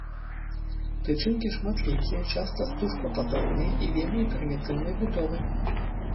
Тычынкі шматлікія, часта стужкападобныя і вельмі прымітыўнай будовы.